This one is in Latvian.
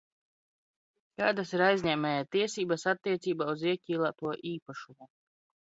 Kādas ir aizņēmēja tiesības attiecībā uz ieķīlāto īpašumu?